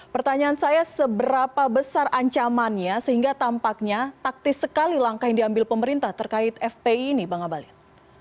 pertanyaan saya seberapa besar ancamannya sehingga tampaknya taktis sekali langkah yang diambil pemerintah terkait fpi ini bang abalin